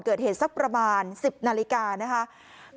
กลุ่มตัวเชียงใหม่